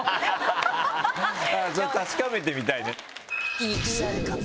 それ確かめてみたいね。